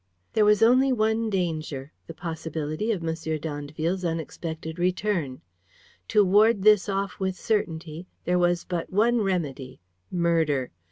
There was only one danger, the possibility of M. d'Andeville's unexpected return. To ward this off with certainty, there was but one remedy, murder.